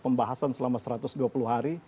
pembahasan selama satu ratus dua puluh hari